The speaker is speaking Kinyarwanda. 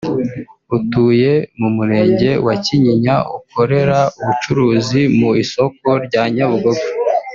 utuye mu Murenge wa Kinyinya ukorera ubucuruzi mu isoko rya Nyabugogo